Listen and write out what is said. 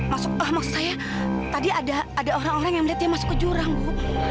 masuk ah maksud saya tadi ada orang orang yang melihat dia masuk ke jurang bu